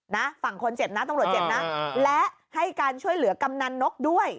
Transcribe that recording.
นะฝั่งคนเจ็บนะตำรวจเจ็บนะและให้การช่วยเหลือกำนันนกด้วย